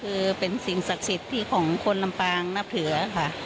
คือเป็นสิ่งศักดีที่ของคนลำบาล์มนับเถือค่ะ